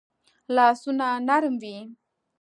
لاسونه نرم وي